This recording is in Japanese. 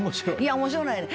面白ないねん。